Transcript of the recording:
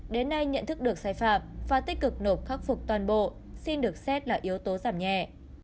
đến nay nhận thức được sai phạm và tích cực nộp khắc phục toàn bộ xin được xét là yếu tố giảm nhẹ